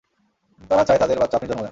তারা চায় তাদের বাচ্চা আপনি জন্ম দেন।